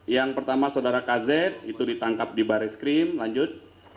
yang pertama saudara kz itu ditangkap di baris krim lanjut